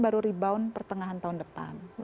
baru rebound pertengahan tahun depan